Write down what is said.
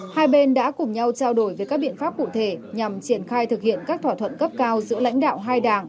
hai bên đã cùng nhau trao đổi về các biện pháp cụ thể nhằm triển khai thực hiện các thỏa thuận cấp cao giữa lãnh đạo hai đảng